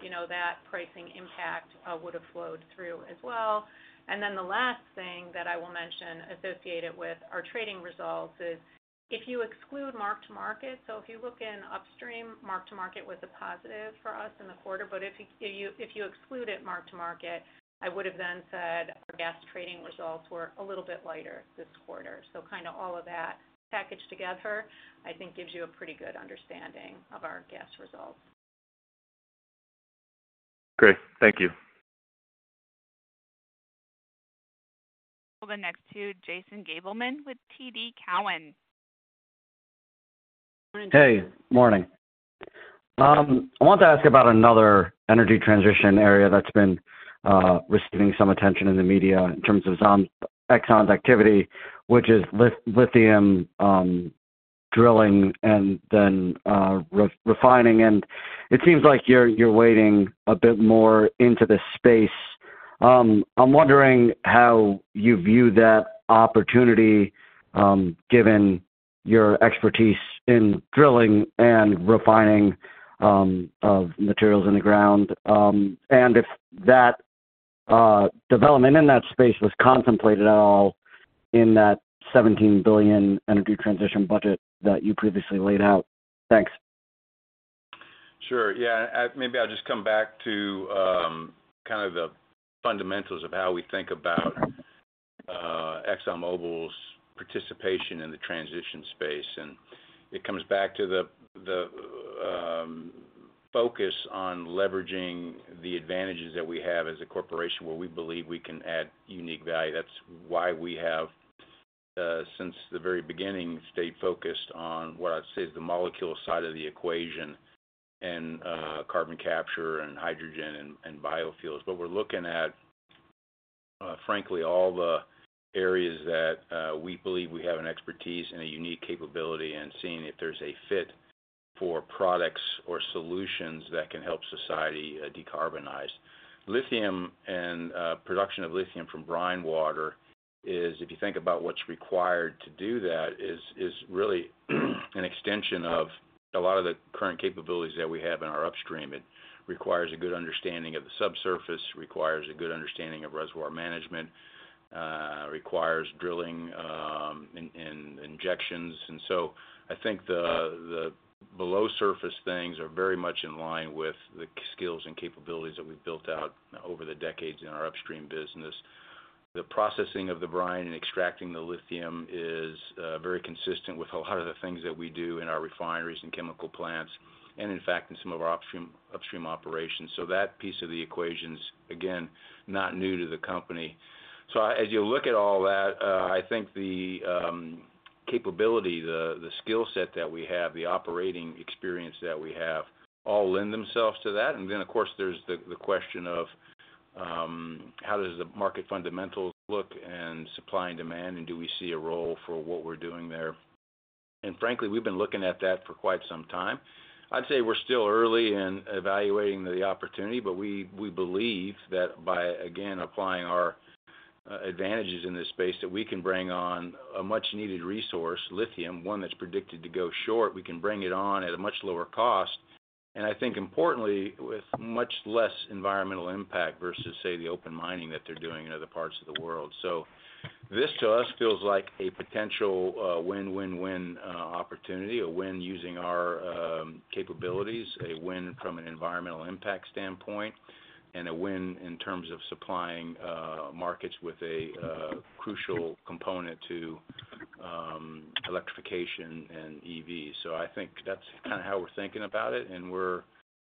You know, that pricing impact would have flowed through as well. The last thing that I will mention associated with our trading results is if you exclude mark-to-market, so if you look in upstream, mark-to-market was a positive for us in the quarter, but if you exclude it mark-to-market, I would have then said our gas trading results were a little bit lighter this quarter. Kind of all of that packaged together, I think gives you a pretty good understanding of our gas results. Great. Thank you. We'll go next to Jason Gabelman with TD Cowen. Hey, morning. I want to ask about another energy transition area that's been receiving some attention in the media in terms of Exxon's activity, which is lithium, drilling and then refining. It seems like you're, you're wading a bit more into this space. I'm wondering how you view that opportunity, given your expertise in drilling and refining, of materials in the ground, and if that development in that space was contemplated at all in that $17 billion energy transition budget that you previously laid out. Thanks. Sure. Yeah, maybe I'll just come back to kind of the fundamentals of how we think about ExxonMobil's participation in the transition space. It comes back to the, the focus on leveraging the advantages that we have as a corporation, where we believe we can add unique value. That's why we have since the very beginning, stayed focused on what I'd say is the molecule side of the equation and carbon capture and hydrogen and biofuels. We're looking at frankly, all the areas that we believe we have an expertise and a unique capability, and seeing if there's a fit for products or solutions that can help society decarbonize. Lithium and production of lithium from brine water is, if you think about what's required to do that, is, is really an extension of a lot of the current capabilities that we have in our upstream. It requires a good understanding of the subsurface, requires a good understanding of reservoir management, requires drilling, and injections. I think the below surface things are very much in line with the skills and capabilities that we've built out over the decades in our upstream business. The processing of the brine and extracting the lithium is very consistent with a lot of the things that we do in our refineries and chemical plants, and in fact, in some of our upstream, upstream operations. That piece of the equation's, again, not new to the company. As you look at all that, I think the capability, the skill set that we have, the operating experience that we have, all lend themselves to that. And then, of course, there's the question of how does the market fundamentals look and supply and demand, and do we see a role for what we're doing there? And frankly, we've been looking at that for quite some time. I'd say we're still early in evaluating the opportunity, but we, we believe that by, again, applying our advantages in this space, that we can bring on a much-needed resource, lithium, one that's predicted to go short. We can bring it on at a much lower cost, and I think importantly, with much less environmental impact versus, say, the open mining that they're doing in other parts of the world. This, to us, feels like a potential win-win-win opportunity. A win using our capabilities, a win from an environmental impact standpoint, and a win in terms of supplying markets with a crucial component to electrification and EVs. I think that's kinda how we're thinking about it, and we're,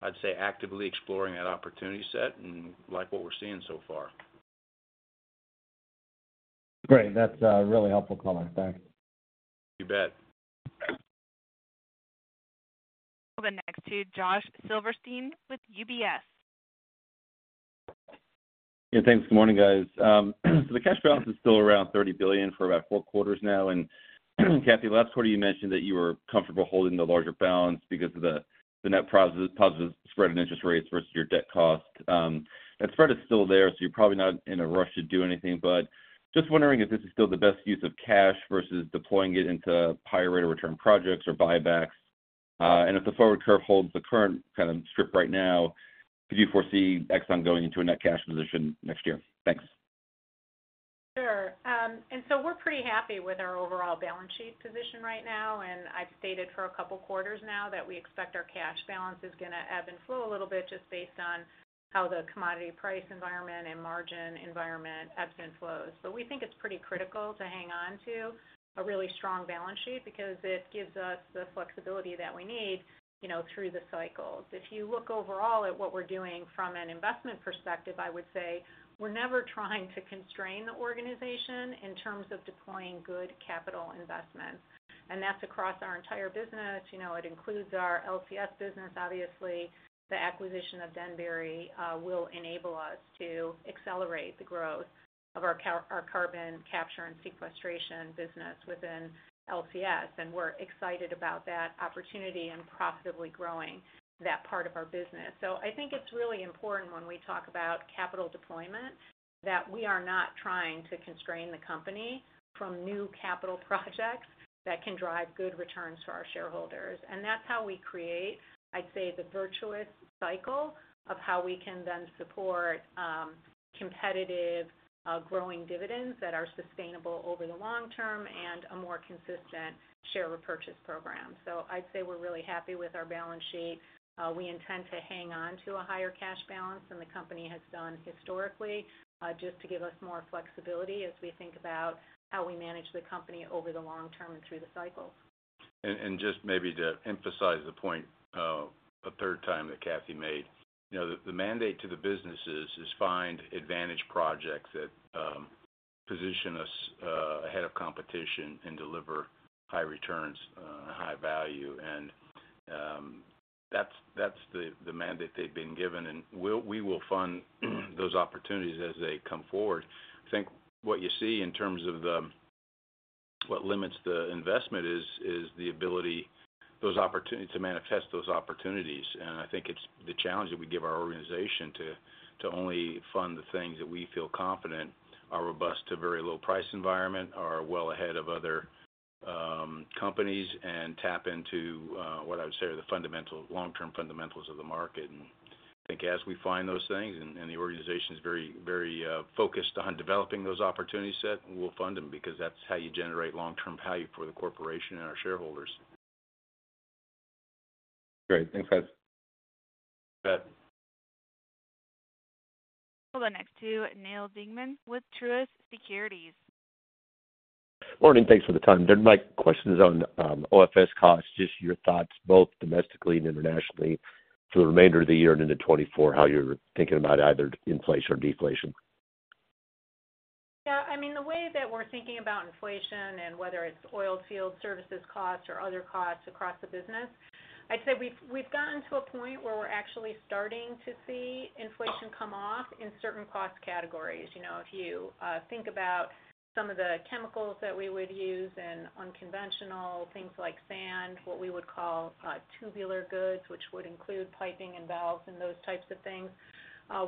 I'd say, actively exploring that opportunity set and like what we're seeing so far. Great. That's, really helpful color. Thanks. You bet. Next to Josh Silverstein with UBS. Yeah, thanks. Good morning, guys. The cash balance is still around $30 billion for about 4 quarters now. Kathy, last quarter, you mentioned that you were comfortable holding the larger balance because of the net positive spread and interest rates versus your debt cost. That spread is still there, so you're probably not in a rush to do anything, but just wondering if this is still the best use of cash versus deploying it into higher rate of return projects or buybacks. If the forward curve holds the current kind of strip right now, could you foresee Exxon going into a net cash position next year? Thanks. Sure. We're pretty happy with our overall balance sheet position right now. I've stated for 2 quarters now that we expect our cash balance is gonna ebb and flow a little bit just based on how the commodity price environment and margin environment ebbs and flows. We think it's pretty critical to hang on to a really strong balance sheet because it gives us the flexibility that we need, you know, through the cycles. If you look overall at what we're doing from an investment perspective, I would say we're never trying to constrain the organization in terms of deploying good capital investments. That's across our entire business. You know, it includes our LCS business. Obviously, the acquisition of Denbury will enable us to accelerate the growth of our carbon capture and sequestration business within LCS, and we're excited about that opportunity and profitably growing that part of our business. I think it's really important when we talk about capital deployment, that we are not trying to constrain the company from new capital projects that can drive good returns to our shareholders. That's how we create, I'd say, the virtuous cycle of how we can then support competitive growing dividends that are sustainable over the long term and a more consistent share repurchase program. I'd say we're really happy with our balance sheet. We intend to hang on to a higher cash balance than the company has done historically, just to give us more flexibility as we think about how we manage the company over the long term and through the cycles. Just maybe to emphasize the point, a third time that Kathy made. You know, the mandate to the businesses is find advantage projects that position us ahead of competition and deliver high returns and high value. That's the mandate they've been given, and we will fund those opportunities as they come forward. I think what you see in terms of what limits the investment is the ability those opportunities, to manifest those opportunities. I think it's the challenge that we give our organization to only fund the things that we feel confident are robust to very low price environment, are well ahead of other companies, and tap into what I would say are the fundamental, long-term fundamentals of the market. I think as we find those things, and, and the organization is very, very, focused on developing those opportunity set, we'll fund them because that's how you generate long-term value for the corporation and our shareholders. Great. Thanks, guys. You bet. We'll go next to Neil Dingmann with Truist Securities. Morning, thanks for the time. Dan, my question is on OFS costs, just your thoughts, both domestically and internationally, for the remainder of the year and into 2024, how you're thinking about either inflation or deflation? I mean, the way that we're thinking about inflation and whether it's oil field services costs or other costs across the business, I'd say we've, we've gotten to a point where we're actually starting to see inflation come off in certain cost categories. You know, if you think about some of the chemicals that we would use in unconventional things like sand, what we would call tubular goods, which would include piping and valves and those types of things,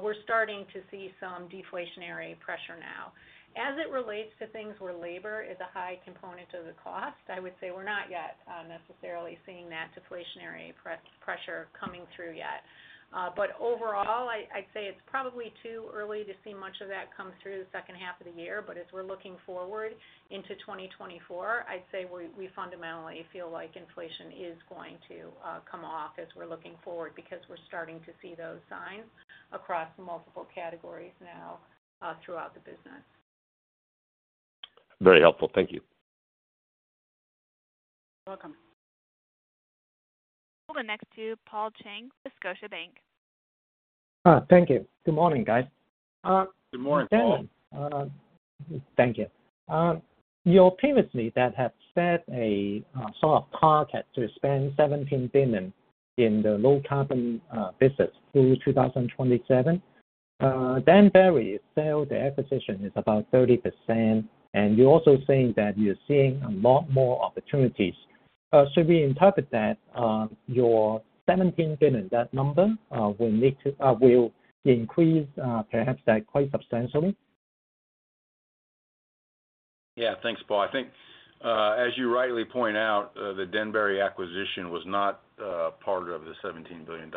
we're starting to see some deflationary pressure now. As it relates to things where labor is a high component of the cost, I would say we're not yet necessarily seeing that deflationary pressure coming through yet. Overall, I, I'd say it's probably too early to see much of that come through the second half of the year. As we're looking forward into 2024, I'd say we, we fundamentally feel like inflation is going to come off as we're looking forward, because we're starting to see those signs across multiple categories now throughout the business. Very helpful. Thank you. You're welcome. We'll go next to Paul Cheng, with Scotiabank. Thank you. Good morning, guys. Good morning, Paul. Thank you. You previously that have set a sort of target to spend $17 billion in the low carbon business through 2027. Denbury sell the acquisition is about 30%, and you're also saying that you're seeing a lot more opportunities. Should we interpret that, your $17 billion, that number, will need to will increase, perhaps that quite substantially? Yeah, thanks, Paul. I think, as you rightly point out, the Denbury acquisition was not part of the $17 billion.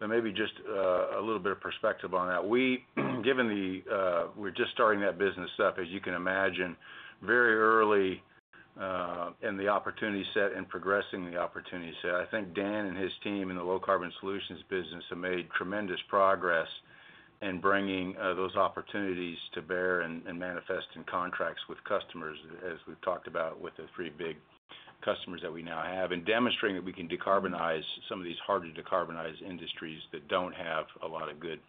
Maybe just a little bit of perspective on that. We, given the, we're just starting that business up, as you can imagine, very early in the opportunity set and progressing the opportunity set. I think Dan and his team in the Low Carbon Solutions business have made tremendous progress in bringing those opportunities to bear and, and manifest in contracts with customers, as we've talked about with the 3 big customers that we now have, and demonstrating that we can decarbonize some of these harder to decarbonize industries that don't have a lot of good,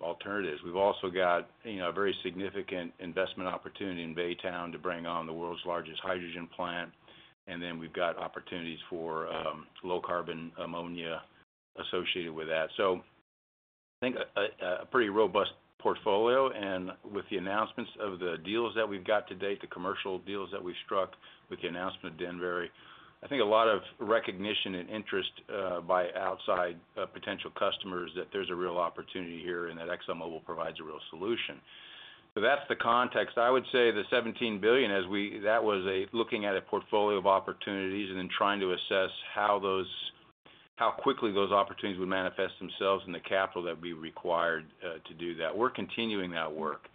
alternatives. We've also got, you know, a very significant investment opportunity in Baytown to bring on the world's largest hydrogen plant, and then we've got opportunities for low carbon ammonia associated with that. I think a, a, a pretty robust portfolio. With the announcements of the deals that we've got to date, the commercial deals that we've struck with the announcement of Denbury, I think a lot of recognition and interest by outside potential customers that there's a real opportunity here and that ExxonMobil provides a real solution. That's the context. I would say the $17 billion as we that was a looking at a portfolio of opportunities and then trying to assess how those how quickly those opportunities would manifest themselves and the capital that would be required to do that. We're continuing that work.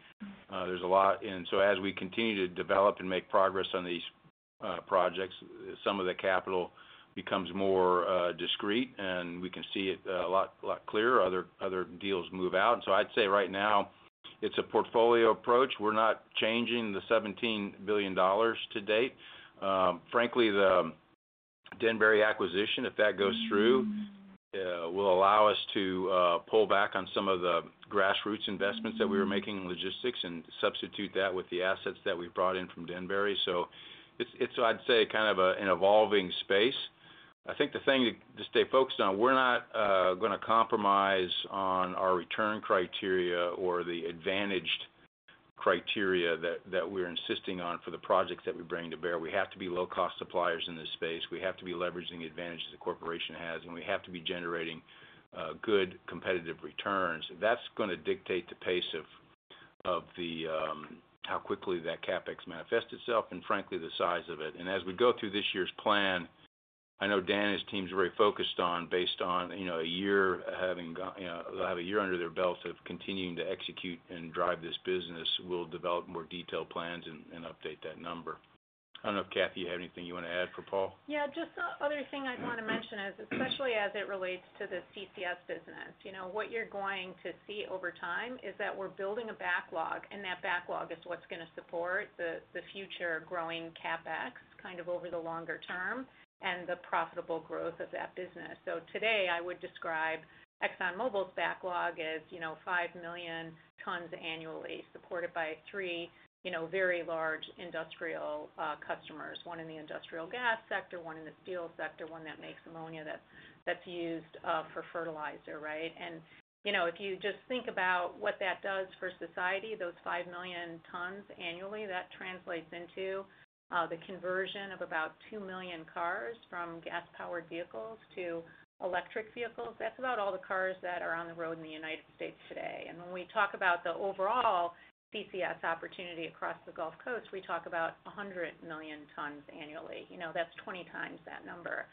There's a lot... As we continue to develop and make progress on these projects, some of the capital becomes more discrete, and we can see it a lot, lot clearer, other, other deals move out. I'd say right now, it's a portfolio approach. We're not changing the $17 billion to date. Frankly, the Denbury acquisition, if that goes through, will allow us to pull back on some of the grassroots investments that we were making in logistics and substitute that with the assets that we brought in from Denbury. It's, it's, I'd say, kind of an evolving space. I think the thing to, to stay focused on, we're not gonna compromise on our return criteria or the advantaged criteria that, that we're insisting on for the projects that we bring to bear. We have to be low-cost suppliers in this space. We have to be leveraging the advantages the corporation has, and we have to be generating, good competitive returns. That's gonna dictate the pace of, of the, how quickly that CapEx manifests itself and frankly, the size of it. As we go through this year's plan, I know Dan and his team is very focused on based on, you know, they'll have a year under their belt of continuing to execute and drive this business, we'll develop more detailed plans and, and update that number. I don't know if, Kathy, you have anything you want to add for Paul? Yeah, just the other thing I'd want to mention is, especially as it relates to the CCS business, you know, what you're going to see over time is that we're building a backlog, and that backlog is what's gonna support the, the future growing CapEx kind of over the longer term and the profitable growth of that business. Today, I would describe ExxonMobil's backlog as, you know, 5 million tons annually, supported by 3, you know, very large industrial customers, 1 in the industrial gas sector, 1 in the steel sector, 1 that makes ammonia that, that's used for fertilizer, right? You know, if you just think about what that does for society, those 5 million tons annually, that translates into the conversion of about 2 million cars from gas-powered vehicles to electric vehicles. That's about all the cars that are on the road in the United States today. When we talk about the overall CCS opportunity across the Gulf Coast, we talk about 100 million tons annually. You know, that's 20 times that number.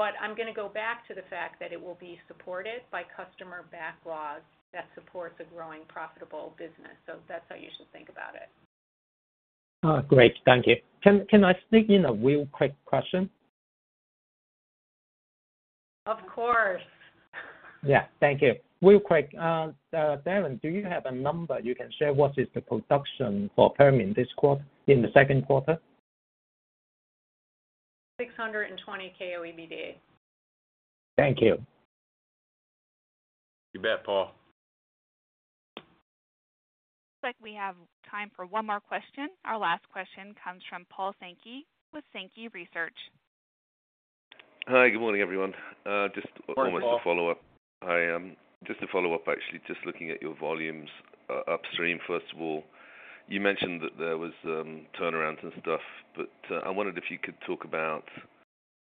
I'm gonna go back to the fact that it will be supported by customer backlogs that support the growing profitable business. That's how you should think about it. Great. Thank you. Can, can I sneak in a real quick question? Yeah, thank you. Real quick, Darren, do you have a number you can share what is the production for Permian this quarter, in the second quarter? 620 KOEBD. Thank you. You bet, Paul. Looks like we have time for one more question. Our last question comes from Paul Sankey with Sankey Research. Hi, good morning, everyone. Morning, Paul. almost a follow-up. I, just to follow up, actually, just looking at your volumes upstream. First of all, you mentioned that there was turnarounds and stuff, but I wondered if you could talk about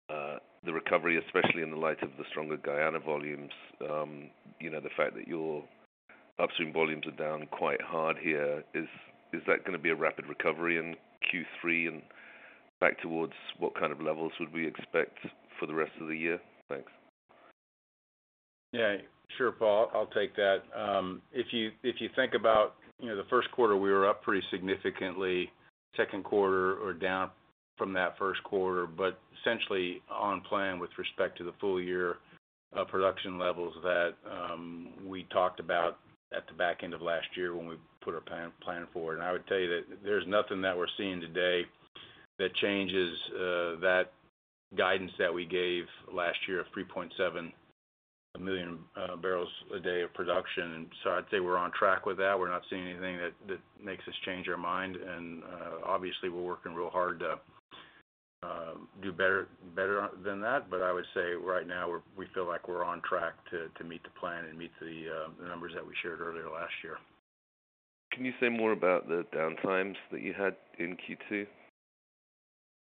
the recovery, especially in the light of the stronger Guyana volumes. You know, the fact that your upstream volumes are down quite hard here, is that going to be a rapid recovery in Q3? Back towards what kind of levels would we expect for the rest of the year? Thanks. Yeah, sure, Paul, I'll take that. If you, if you think about, you know, the first quarter, we were up pretty significantly, second quarter we're down from that first quarter, but essentially on plan with respect to the full year, production levels that, we talked about at the back end of last year when we put our plan, plan forward. I would tell you that there's nothing that we're seeing today that changes that guidance that we gave last year of 3.7 million barrels a day of production. I'd say we're on track with that. We're not seeing anything that, that makes us change our mind. Obviously, we're working real hard to do better, better than that. I would say right now, we feel like we're on track to meet the plan and meet the numbers that we shared earlier last year. Can you say more about the downtimes that you had in Q2?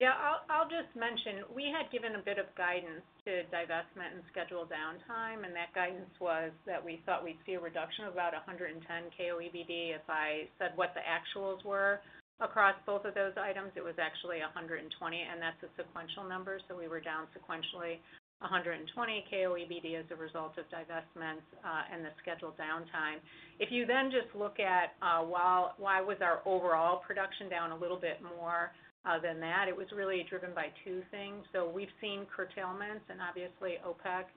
Yeah, I'll just mention, we had given a bit of guidance to divestment and schedule downtime, and that guidance was that we thought we'd see a reduction of about 110 KOEBD. If I said what the actuals were across both of those items, it was actually 120, and that's a sequential number. We were down sequentially 120 KOEBD as a result of divestments and the scheduled downtime. If you then just look at why, why was our overall production down a little bit more than that? It was really driven by two things. We've seen curtailments and obviously OPEC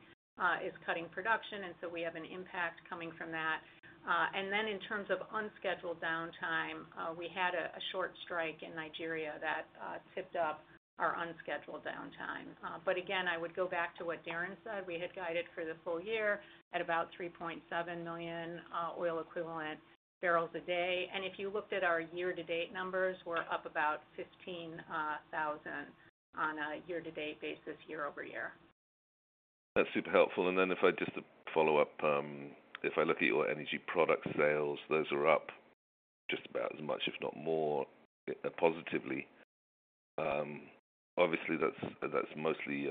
is cutting production, and so we have an impact coming from that. Then in terms of unscheduled downtime, we had a short strike in Nigeria that tipped up our unscheduled downtime. Again, I would go back to what Darren said. We had guided for the full year at about 3.7 million oil equivalent barrels a day. If you looked at our year-to-date numbers, we're up about 15,000 on a year-to-date basis, year-over-year. That's super helpful. Then if I just follow up, if I look at your energy product sales, those are up just about as much, if not more, positively. Obviously, that's, that's mostly,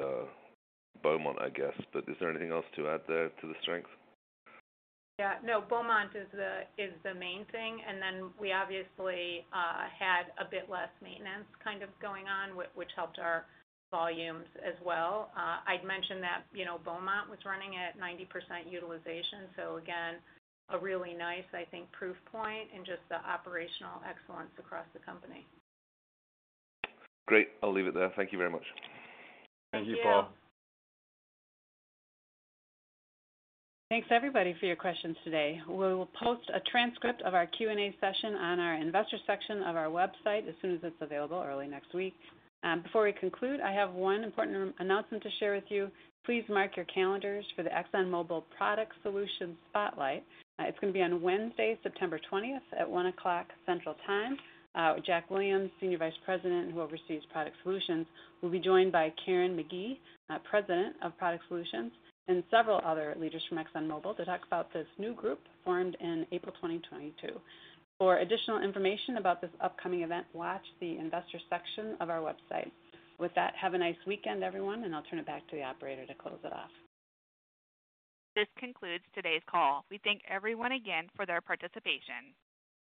Beaumont, I guess. Is there anything else to add there to the strength? Yeah. No, Beaumont is the, is the main thing, and then we obviously had a bit less maintenance kind of going on, which helped our volumes as well. I'd mentioned that, you know, Beaumont was running at 90% utilization. So again, a really nice, I think, proof point in just the operational excellence across the company. Great. I'll leave it there. Thank you very much. Thank you, Paul. Thank you! Thanks, everybody, for your questions today. We will post a transcript of our Q&A session on our investor section of our website as soon as it's available early next week. Before we conclude, I have 1 important announcement to share with you. Please mark your calendars for the ExxonMobil Product Solutions Spotlight. It's going to be on Wednesday, September 20th, at 1:00 P.M. Central Time. Jack Williams, senior vice president, who oversees Product Solutions, will be joined by Karen McKee president of Product Solutions, and several other leaders from ExxonMobil to talk about this new group formed in April 2022. For additional information about this upcoming event, watch the investors section of our website. With that, have a nice weekend, everyone, and I'll turn it back to the operator to close it off. This concludes today's call. We thank everyone again for their participation.